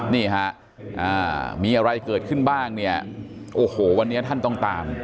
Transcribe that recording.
นี่ฮะมีอะไรเกิดขึ้นบ้างเนี่ยโอ้โหวันนี้ท่านต้องตาม